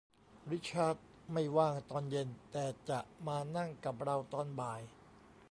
ริชาร์ดไม่ว่างตอนเย็น แต่จะมานั่งกับเราตอนบ่าย